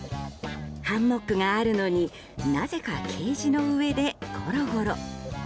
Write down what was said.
ハンモックがあるのになぜかケージの上でゴロゴロ。